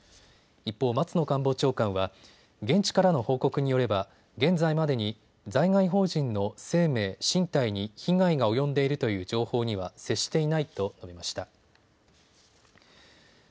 一方、松野官房長官は現地からの報告によれば現在までに在外邦人の生命、身体に被害が及んでいるという情報には接していないと述べました。